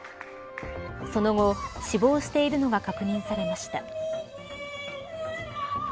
その後、死亡しているのが確認されました。